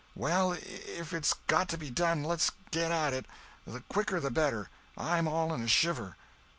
"Well, if it's got to be done, let's get at it. The quicker the better—I'm all in a shiver."